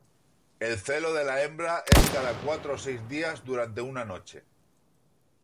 El celo de la hembra es cada cuatro o seis días durante una noche.